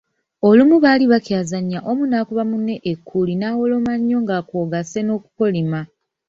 Olumu baali bakyazannya omu naakuba munne ekkuuli nawoloma nnyo nga kwogasse n’okukolima.